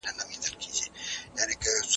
سياسي فعاليتونه بايد شفاف وي.